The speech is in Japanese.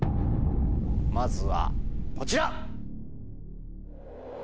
まずはこちら！